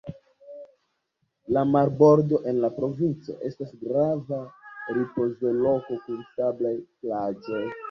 La marbordo en la provinco estas grava ripozloko kun sablaj plaĝoj.